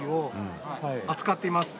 扱っています。